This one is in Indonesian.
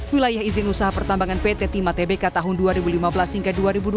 wilayah izin usaha pertambangan pt timah tbk tahun dua ribu lima belas hingga dua ribu dua puluh